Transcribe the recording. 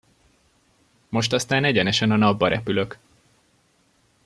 Most aztán egyenesen a napba repülök!